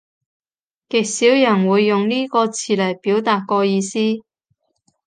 極少人會用呢個詞嚟表達個意思